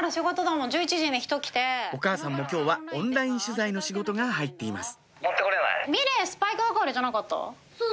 お母さんも今日はオンライン取材の仕事が入っています